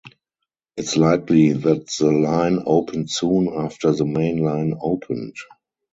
It is likely that the line opened soon after the main line opened.